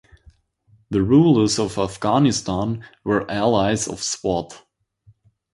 The rulers of Afghanistan were allies of Swat.